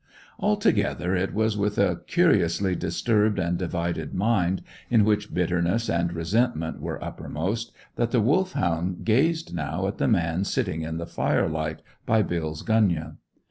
Altogether, it was with a curiously disturbed and divided mind, in which bitterness and resentment were uppermost, that the Wolfhound gazed now at the man sitting in the firelight by Bill's gunyah.